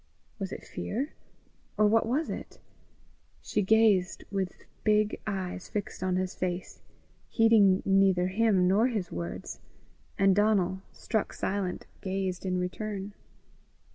Was it fear? or what was it? She gazed with big eyes fixed on his face, heeding neither him nor his words, and Donal, struck silent, gazed in return.